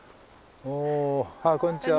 あっこんにちは。